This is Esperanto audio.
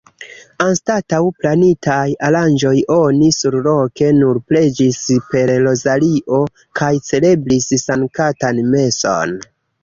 Anstataŭ planitaj aranĝoj oni surloke nur preĝis per rozario kaj celebris sanktan meson.